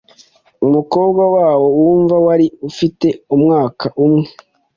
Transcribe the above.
umukobwa wabo wumva wari ufite umwaka umwe